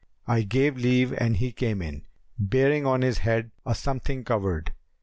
I gave leave and he came in, bearing on his head a something covered.